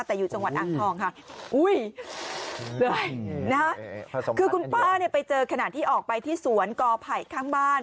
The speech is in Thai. แต่อยู่จังหวัดอ่างทองค่ะอุ้ยเลยนะฮะคือคุณป้าเนี่ยไปเจอขณะที่ออกไปที่สวนกอไผ่ข้างบ้าน